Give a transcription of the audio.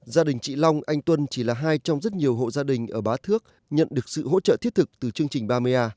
gia đình chị long anh tuân chỉ là hai trong rất nhiều hộ gia đình ở bá thước nhận được sự hỗ trợ thiết thực từ chương trình ba mươi a